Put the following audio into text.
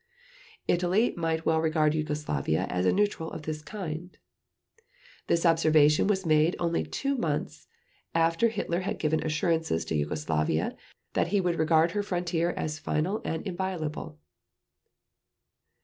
Italy might well regard Yugoslavia as a neutral of this kind." This observation was made only two months after Hitler had given assurances to Yugoslavia that he would regard her frontier as final and inviolable.